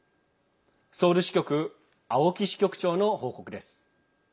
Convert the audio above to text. ソウル支局青木支局長の報告です。